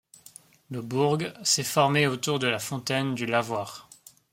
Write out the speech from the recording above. Le bourg s’est formé autour de la fontaine du lavoir.